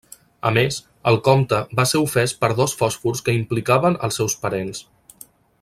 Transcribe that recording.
A més, el comte va ser ofès per dos fòsfors que implicaven als seus parents.